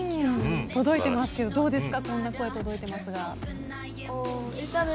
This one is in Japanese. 届いてますけどどうですか。